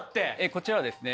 こちらはですね。